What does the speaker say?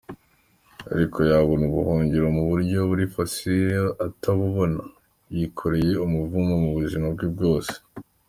Ariko yabona ubuhungiro mu buryo buri facile atabubona, yikoreye umuvumo mu buzima bwe bwose.